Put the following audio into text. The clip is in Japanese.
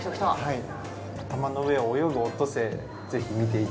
はい。